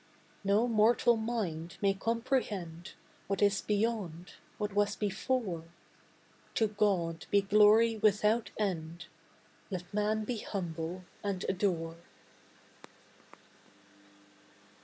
No mortal mind may comprehend What is beyond, what was before; To God be glory without end, Let man be humble and adore.